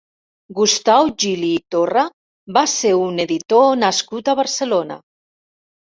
Gustau Gili i Torra va ser un editor nascut a Barcelona.